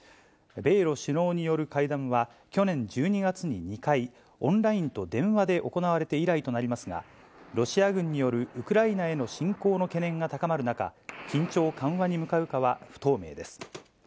米ロ首脳による会談は、去年１２月に２回、オンラインと電話で行われて以来となりますが、ロシア軍によるウクライナへの侵攻の懸念が高まる中、緊張緩和に向かうかは不透明です。